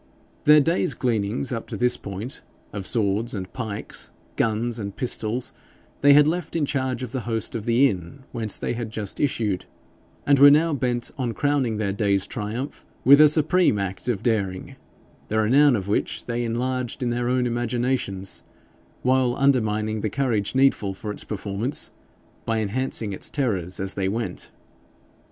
Their day's gleanings up to this point of swords and pikes, guns and pistols, they had left in charge of the host of the inn whence they had just issued, and were now bent on crowning their day's triumph with a supreme act of daring the renown of which they enlarged in their own imaginations, while undermining the courage needful for its performance, by enhancing its terrors as they went.